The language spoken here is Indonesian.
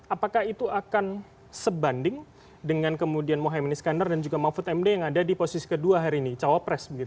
apakah itu akan sebanding dengan kemudian mohaimin iskandar dan juga mahfud md yang ada di posisi kedua hari ini cawapres